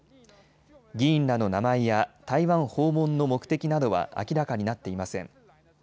議員らの名前や台湾訪問の目的などは明らかになっていません。